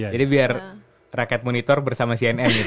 jadi biar rakyat monitor bersama cnn gitu